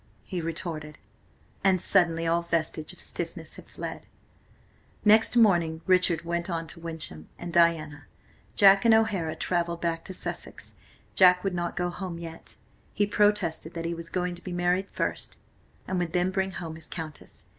he retorted, and suddenly all vestige of stiffness had fled. Next morning Richard went on to Wyncham, and Diana, Jack and O'Hara travelled back to Sussex. Jack would not go home yet. He protested that he was going to be married first, and would then bring home his Countess.